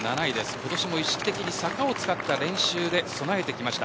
今年も意識的に坂を使った練習で備えてきました。